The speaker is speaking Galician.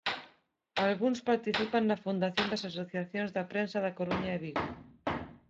Algúns participan na fundación das Asociacións da Prensa da Coruña e Vigo.